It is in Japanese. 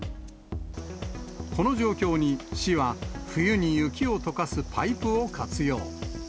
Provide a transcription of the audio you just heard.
この状況に市は、冬に雪をとかすパイプを活用。